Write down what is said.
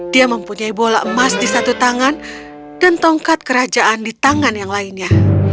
dia mempunyai bola emas di satu tangan dan tongkat kerajaan di tangan yang lainnya